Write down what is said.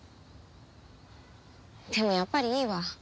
でもやっぱりいいわ。